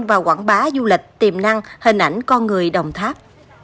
và quảng bá du lịch tiềm năng hình ảnh con người đồng tháp